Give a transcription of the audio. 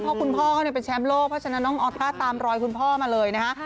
เพราะคุณพ่อเขาเป็นแชมป์โลกเพราะฉะนั้นน้องออต้าตามรอยคุณพ่อมาเลยนะฮะ